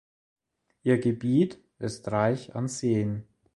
Ihr Gebiet ist reich an Seen.